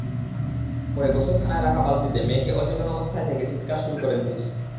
পরে গোসলখানায় রাখা বালতিতে মেয়েকে অচেতন অবস্থায় দেখে চিৎকার শুরু করেন তিনি।